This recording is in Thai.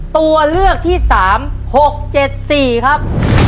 ตัวเลือกที่สามหกเจ็ดสี่ครับ